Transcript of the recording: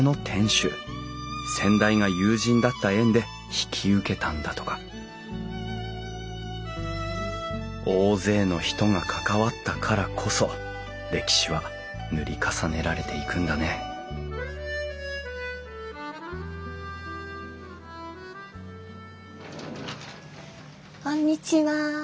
先代が友人だった縁で引き受けたんだとか大勢の人が関わったからこそ歴史は塗り重ねられていくんだねこんにちは。